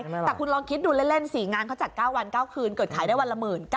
แต่คุณลองคิดดูเล่น๔งานเขาจัด๙วัน๙คืนเกิดขายได้วันละ๑๙๐